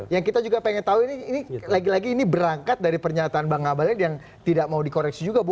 yang kita juga pengen tahu ini lagi lagi ini berangkat dari pernyataan bang abalin yang tidak mau dikoreksi juga